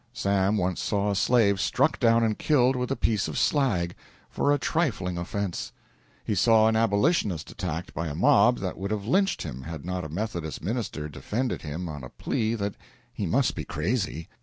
Sam once saw a slave struck down and killed with a piece of slag, for a trifling offense. He saw an Abolitionist attacked by a mob that would have lynched him had not a Methodist minister defended him on a plea that he must be crazy.